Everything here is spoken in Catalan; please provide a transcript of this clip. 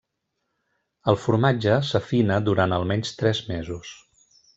El formatge s'afina durant almenys tres mesos.